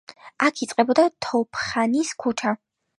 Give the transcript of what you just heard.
აქვე იწყებოდა თოფხანის ქუჩა.